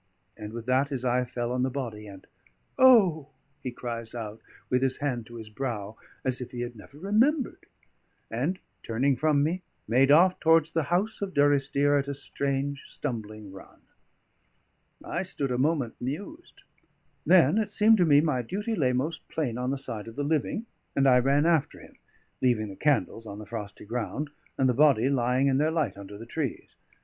And with that his eye fell on the body, and "O!" he cries out, with his hand to his brow, as if he had never remembered; and, turning from me, made off towards the house of Durrisdeer at a strange stumbling run. I stood a moment mused; then it seemed to me my duty lay most plain on the side of the living; and I ran after him, leaving the candles on the frosty ground and the body lying in their light under the trees.